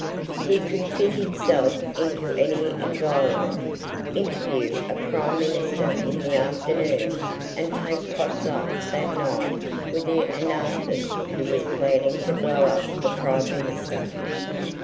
He could fit himself into any environment, interview a prime minister in the afternoon and take potluck that night with the anarchist who was planning to blow up the prime minister.